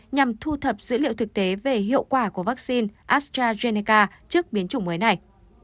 nhằm thu thập dữ liệu thực tế về hiệu quả của vaccine astrazeneca trước biến chủng mới này